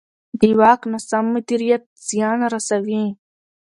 د واک ناسم مدیریت زیان رسوي